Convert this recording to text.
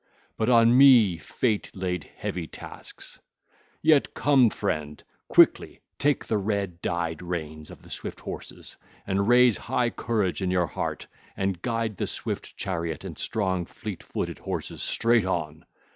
But on me fate laid heavy tasks. (ll. 95 101) 'Yet, come, friend, quickly take the red dyed reins of the swift horses and raise high courage in your heart and guide the swift chariot and strong fleet footed horses straight on.